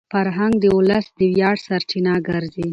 فرهنګ د ولس د ویاړ سرچینه ګرځي.